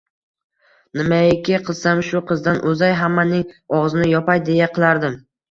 Nimaiki qilsam, shu qizdan o`zay, hammaning og`zini yopay, deya qilardim